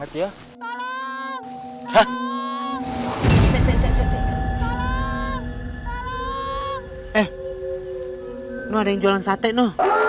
he di mana ada yang jualan syatec ya